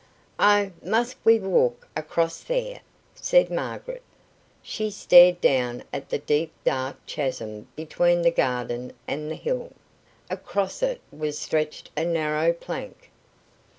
"Oh, must we walk across there?" said Margaret. She stared down at the deep dark chasm between the garden and the hill; across it was stretched a narrow plank.